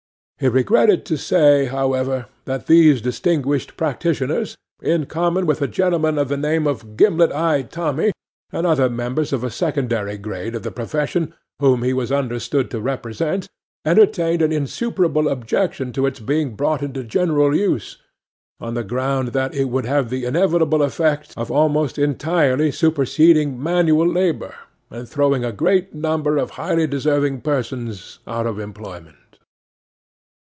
He regretted to say, however, that these distinguished practitioners, in common with a gentleman of the name of Gimlet eyed Tommy, and other members of a secondary grade of the profession whom he was understood to represent, entertained an insuperable objection to its being brought into general use, on the ground that it would have the inevitable effect of almost entirely superseding manual labour, and throwing a great number of highly deserving persons out of employment.